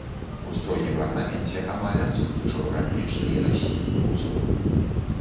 У строгім арнаменце амаль адсутнічаў рамбічны і раслінны ўзор.